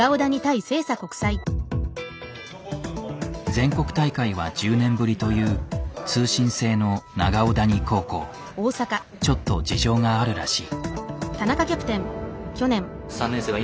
全国大会は１０年ぶりという通信制のちょっと事情があるらしい。